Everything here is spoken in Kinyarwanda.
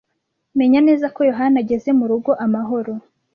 Menya neza ko Yohani ageze murugo amahoro.